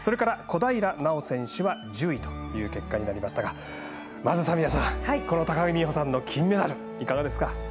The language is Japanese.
それから小平奈緒選手は１０位という結果となりましたが高木美帆の金メダルいかがですか。